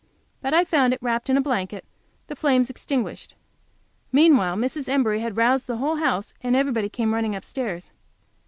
But I found it wrapped in a blanket, the flames extinguished. Meanwhile, Mrs. Embury had roused the whole house, and everybody came running upstairs.